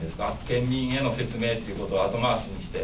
県民への説明ということは後回しにして。